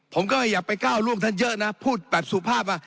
ผมก็อย่าไปก้าวล่วงท่านเยอะนะพูดแบบสุภาพว่า